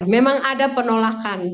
memang ada penolakan